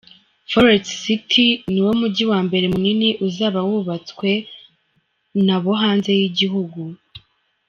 Forest City ni wo mujyi wambere munini uzaba wubatswe nabo hanze y’igihugu.